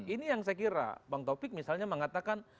ini yang saya kira bang taufik misalnya mengatakan